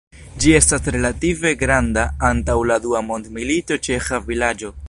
Ĝi estas relative granda, antaŭ la dua mondmilito ĉeĥa vilaĝo.